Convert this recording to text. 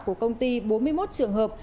của công ty bốn mươi một trường hợp